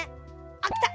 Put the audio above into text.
あっきた！